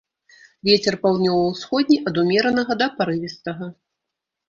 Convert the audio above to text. Вецер паўднёва-ўсходні ад умеранага да парывістага.